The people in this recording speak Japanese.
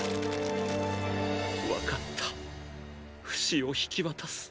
わかったフシを引き渡す。